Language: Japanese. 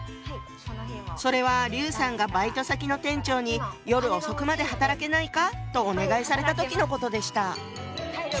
それは劉さんがバイト先の店長に「夜遅くまで働けないか？」とお願いされた時のことでした。